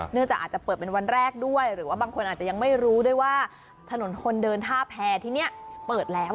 จากอาจจะเปิดเป็นวันแรกด้วยหรือว่าบางคนอาจจะยังไม่รู้ด้วยว่าถนนคนเดินท่าแพรที่นี่เปิดแล้ว